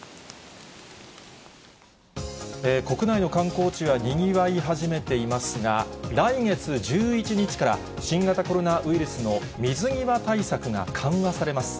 国内の観光地はにぎわい始めていますが、来月１１日から新型コロナウイルスの水際対策が緩和されます。